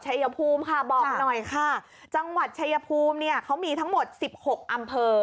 ชายภูมิค่ะบอกหน่อยค่ะจังหวัดชายภูมิเนี่ยเขามีทั้งหมดสิบหกอำเภอ